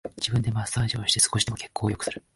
自分でマッサージをして少しでも血行を良くする